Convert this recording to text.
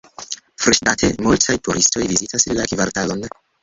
Freŝdate, multaj turistoj vizitas la kvartalon.